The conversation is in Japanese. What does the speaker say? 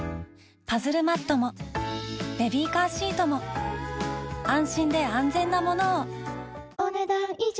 パズルマットもベビーカーシートも安心で安全なものをお、ねだん以上。